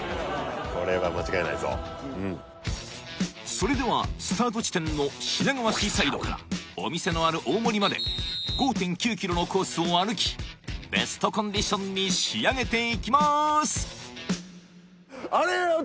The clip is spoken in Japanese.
それではスタート地点の品川シーサイドからお店のある大森まで５．９キロのコースを歩きベストコンディションに仕上げていきます！